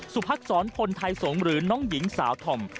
สุพักศรคนไทยสงหรือน้องหญิงสาวถ่อม